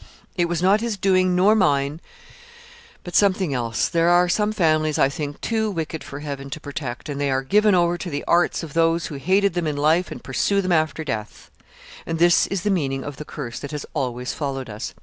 It was not his doing, nor mine, but something else. There are some families, I think, too wicked for Heaven to protect, and they are given over to the arts of those who hated them in life and pursue them after death; and this is the meaning of the curse that has always followed us.